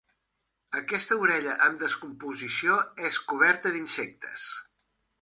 Aquesta orella, en descomposició, és coberta d'insectes.